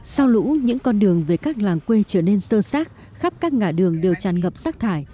sau lũ những con đường về các làng quê trở nên sơ sát khắp các ngã đường đều tràn ngập rác thải